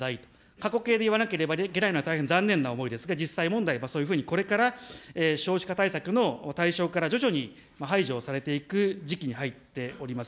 過去形でいわなければいけないのは大変残念な思いですが、実際問題、そういうふうにこれから少子化対策の対象から徐々に排除をされていく時期に入っております。